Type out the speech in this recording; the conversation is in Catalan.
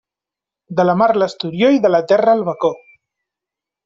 De la mar l'esturió i de la terra el bacó.